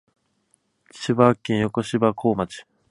千葉県横芝光町